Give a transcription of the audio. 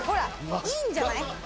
いいんじゃない？